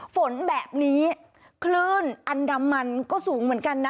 ฝนแบบนี้คลื่นอันดามันก็สูงเหมือนกันนะ